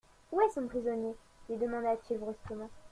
Où est ton prisonnier ? lui demanda-t-il brusquement.